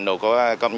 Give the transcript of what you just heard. rồi các trang bền